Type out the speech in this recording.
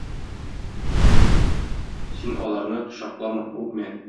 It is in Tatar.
Син аларны кочаклама, үпмә.